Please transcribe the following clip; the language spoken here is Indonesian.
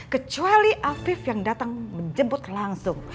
kecuali afif yang datang menjemput langsung